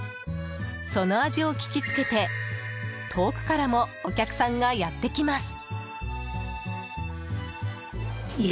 その味を聞きつけて、遠くからもお客さんがやって来ます。